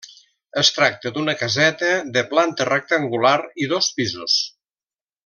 Es tracta d'una caseta de planta rectangular i dos pisos.